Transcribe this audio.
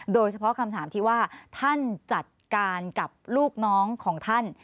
โดยเฉพาะคำถามที่ว่าท่านจัดการกับลูกน้องของท่าน